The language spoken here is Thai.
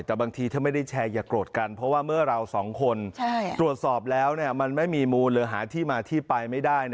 แต่บางทีถ้าไม่ได้แชร์อย่าโกรธกันเพราะว่าเมื่อเราสองคนตรวจสอบแล้วมันไม่มีมูลหรือหาที่มาที่ไปไม่ได้